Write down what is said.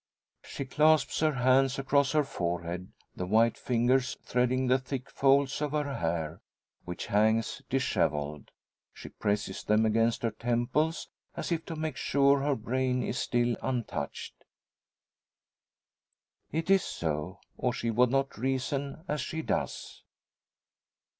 She clasps her hands across her forehead, the white fingers threading the thick folds of her hair which hangs dishevelled. She presses them against her temples, as if to make sure her brain is still untouched! It is so, or she would not reason as she does.